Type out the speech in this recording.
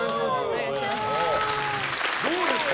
どうですか？